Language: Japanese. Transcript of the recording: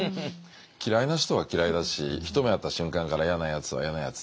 嫌いな人は嫌いだし一目会った瞬間から嫌なやつは嫌なやつと思うんですけど。